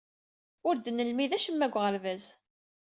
Ur d-nelmid acemma deg uɣerbaz.